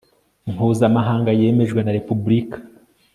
mpuzamahanga yemejwe na repubulika